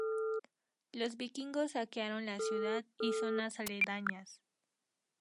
Los vikingos saquearon la ciudad y zonas aledañas.